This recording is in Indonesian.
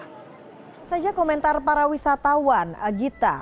apa saja komentar para wisatawan gita